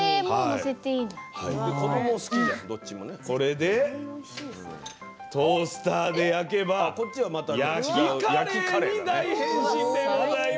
これでトースターで焼けば焼きカレーに大変身でございます。